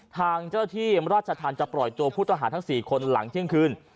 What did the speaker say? ทางเจ้าที่ราชทานตร์จะปล่อยโปรดพุทธอาหารทั้ง๔คนหลังเที่ยงคืน